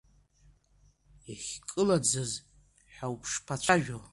Иахькылаӡыз ҳәа ушԥацәажәои?